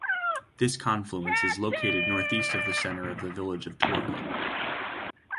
This confluence is located northeast of the center of the village of Tourville.